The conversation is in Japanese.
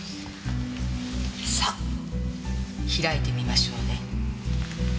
さあ開いてみましょうね。